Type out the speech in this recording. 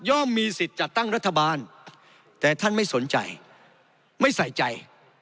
มีสิทธิ์จัดตั้งรัฐบาลแต่ท่านไม่สนใจไม่ใส่ใจ